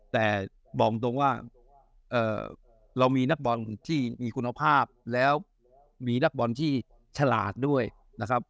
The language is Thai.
แต่บอกตรงว่าเรามีนักบอลที่มีคุณภาพแล้วมีนักบอลที่ฉลาดด้วยนะครับ